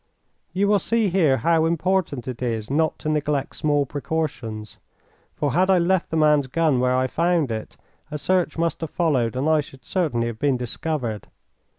You will see here how important it is not to neglect small precautions, for had I left the man's gun where I found it, a search must have followed and I should certainly have been discovered.